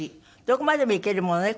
どこまで行けるものね